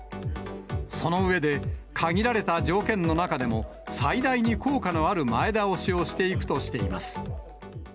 その上で、限られた条件の中でも、最大に効果のある前倒しをしていくとしています。